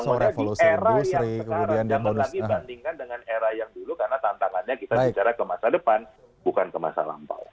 jangan lagi dibandingkan dengan era yang dulu karena tantangannya kita bicara ke masa depan bukan ke masa lampau